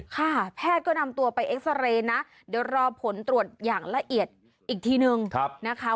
แพทย์ก็นำตัวไปเอ็กซาเรย์นะเดี๋ยวรอผลตรวจอย่างละเอียดอีกทีนึงนะคะ